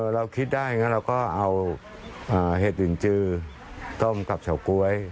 เราคิดได้เราก็เอาเห็ดลินจือต้มกับเฉาก๊วย